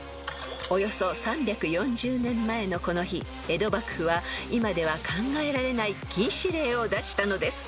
［およそ３４０年前のこの日江戸幕府は今では考えられない禁止令を出したのです］